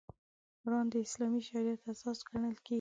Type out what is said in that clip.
قران د اسلامي شریعت اساس ګڼل کېږي.